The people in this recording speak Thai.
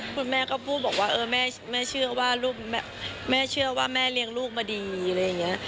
คุณแม่ก็พูดบอกว่าแม่เชื่อว่าลูกแม่เชื่อว่าแม่เลี้ยงลูกมาดีอะไรอย่างนี้